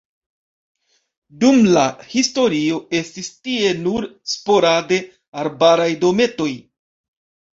Dum la historio estis tie nur sporade arbaraj dometoj.